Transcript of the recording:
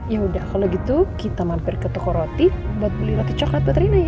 ya udah kalau gitu kita mampir ke toko roti buat beli roti coklat butrina ya